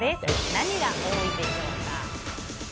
何が多いでしょうか。